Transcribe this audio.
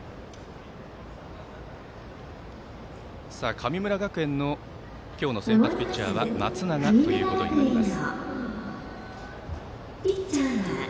神村学園の今日の先発ピッチャー松永となります。